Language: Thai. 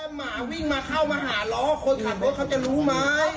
หมาวิ่งมาเข้ามาหาล้อคนขับรถเขาจะรู้ไหม